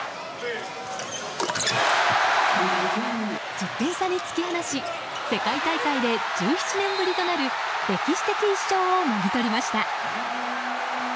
１０点差に突き放し世界大会で１７年ぶりとなる歴史的１勝をもぎ取りました。